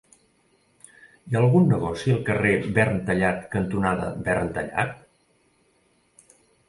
Hi ha algun negoci al carrer Verntallat cantonada Verntallat?